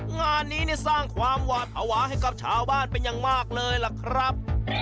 งานนี้สร้างความหวาดภาวะให้กับชาวบ้านเป็นอย่างมากเลยล่ะครับ